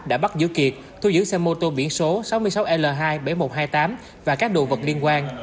đã bắt giữ kiệt thu giữ xe mô tô biển số sáu mươi sáu l hai bảy nghìn một trăm hai mươi tám và các đồ vật liên quan